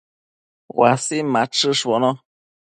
uasin machëshbono